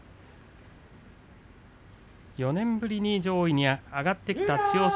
４年ぶりに上位に上がってきた千代翔